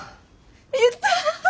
やった。